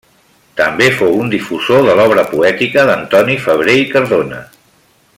També fou un difusor de l'obra poètica d'Antoni Febrer i Cardona.